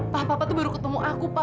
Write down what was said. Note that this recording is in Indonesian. pak papa itu baru ketemu aku pak